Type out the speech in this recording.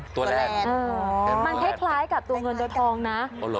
ตัวแรกมันคล้ายกับตัวเงินตัวทองนะ